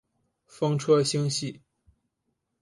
风车星系。